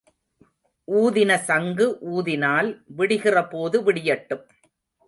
ஊதின சங்கு ஊதினால் விடிகிற போது விடியட்டும்.